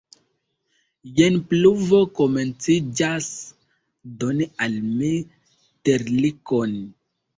Jen pluvo komenciĝas, donu al mi terlikon!